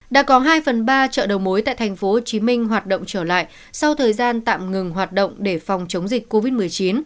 đã có hai phần ba chợ đầu mối tại tp hcm hoạt động trở lại sau thời gian tạm ngừng hoạt động để phòng chống dịch covid một mươi chín